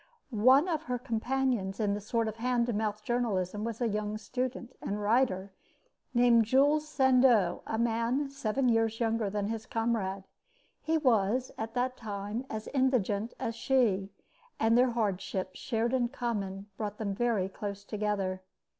One of her companions in this sort of hand to mouth journalism was a young student and writer named Jules Sandeau, a man seven years younger than his comrade. He was at that time as indigent as she, and their hardships, shared in common, brought them very close together.